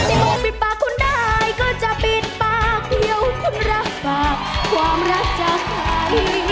ที่โมงปิดปากคนได้ก็จะปิดปากเยอะคนรับฝากความรักจะเผาย